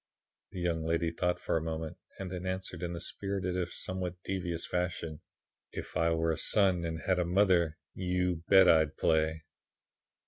"The young lady thought for a moment and then answered in this spirited, if somewhat devious, fashion: "'If I were a son and had a mother, _you bet I'd play!